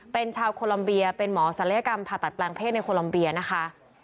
เป็นชาวโคลัมเบียเป็นหมอศัลยกรรมผ่าตัดแปลงเพศในโคลัมเบียนะคะ